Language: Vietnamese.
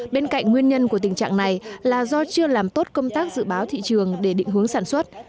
bên cạnh nguyên nhân của tình trạng này là do chưa làm tốt công tác dự báo thị trường để định hướng sản xuất